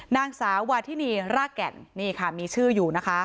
นางสาววาทินีรากแก่นนี่ค่ะมีชื่ออยู่นะคะ